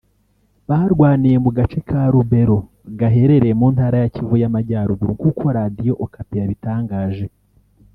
Barwaniye mu gace ka Lubero gaherereye mu Ntara ya Kivu y’Amajyaruguru nk’uko Radio Okapi yabitangaje